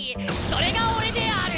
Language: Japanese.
それが俺である！